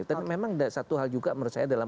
tapi memang satu hal juga menurut saya dalam